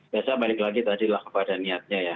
saya balik lagi tadilah kepada niatnya ya